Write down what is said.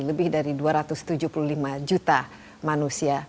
lebih dari dua ratus tujuh puluh lima juta manusia